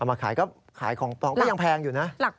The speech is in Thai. มาขายก็ขายของปลอมก็ยังแพงอยู่นะ